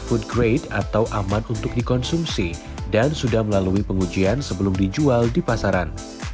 food grade atau aman untuk dikonsumsi dan sudah melalui pengujian sebelum dijual di pasaran